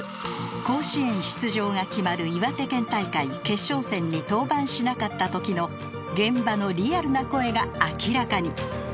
甲子園出場が決まる岩手県大会決勝戦に登板しなかった時の現場のリアルな声が明らかに